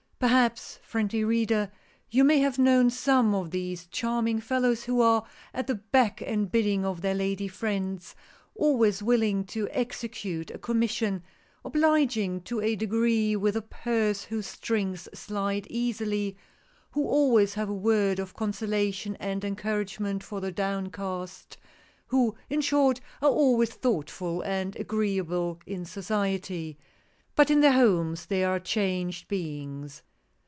Perhaps, friendly reader, you may have known some of these charming fellows who are at the beck and bid ding of their lady friends, always willing to execute a commission — obliging to a degree, with a purse whose strings slide easily — who always have a word of conso lation and encouragement for the downcast — who, in short, are always thoughtful and agreeable in society. But in their homes they are changed beings.